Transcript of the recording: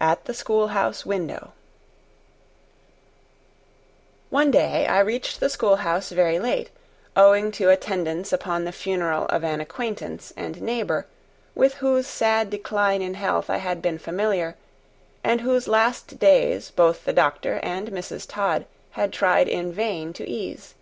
At the Schoolhouse Window ONE DAY I reached the schoolhouse very late, owing to attendance upon the funeral of an acquaintance and neighbor, with whose sad decline in health I had been familiar, and whose last days both the doctor and Mrs. Todd had tried in vain to ease.